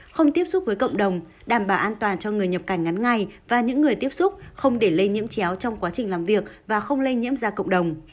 không tiếp xúc với cộng đồng đảm bảo an toàn cho người nhập cảnh ngắn ngày và những người tiếp xúc không để lây nhiễm chéo trong quá trình làm việc và không lây nhiễm ra cộng đồng